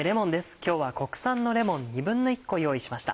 今日は国産のレモン１／２個用意しました。